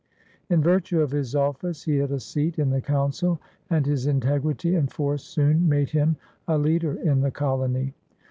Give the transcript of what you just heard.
In virtue of his office he had a seat in the Council, and his integrity and force soon made him a leader in the colony.